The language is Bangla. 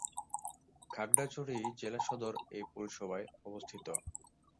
খাগড়াছড়ি জেলা সদর এ পৌরসভায় অবস্থিত।